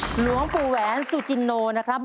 หลวงปู่แหวนสุจินโนนะครับ